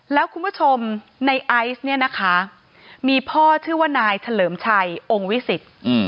แล้วคุณผู้ชมในไอซ์เนี่ยนะคะมีพ่อชื่อว่านายเฉลิมชัยองค์วิสิต